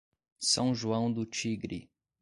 São João do Tigre